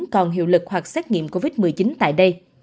còn hiệu lực hoặc xét nghiệm covid một mươi chín tại đây